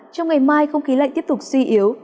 trong ngày mai không khí lạnh tiếp tục suy yếu